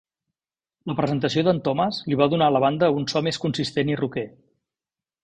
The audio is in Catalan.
La presentació d'en Thomas li va donar a la banda un so més consistent i roquer.